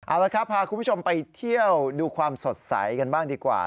เอาละครับพาคุณผู้ชมไปเที่ยวดูความสดใสกันบ้างดีกว่า